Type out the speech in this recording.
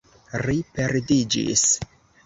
Ri perdiĝis.